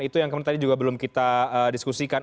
itu yang kemudian tadi juga belum kita diskusikan